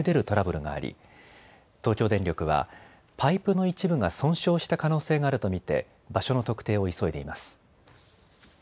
トラブルがあり東京電力はパイプの一部が損傷した可能性があると見て場所の特定を急いでいます。